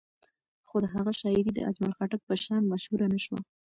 خو د هغه شاعري د اجمل خټک په شان مشهوره نه شوه.